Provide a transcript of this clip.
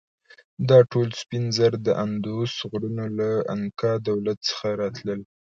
دا ټول سپین زر د اندوس غرونو له انکا دولت څخه راتلل.